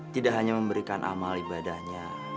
tidak hanya memberikan amal ibadahnya